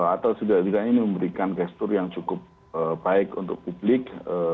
atau setidak tidaknya ini memberikan gestur yang cukup baik untuk publik